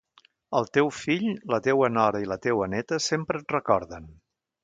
El teu fill, la teua nora i la teua néta sempre et recorden.